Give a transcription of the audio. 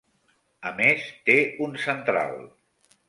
A més, té un central.